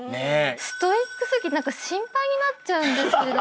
ストイック過ぎて心配になっちゃうんですけど。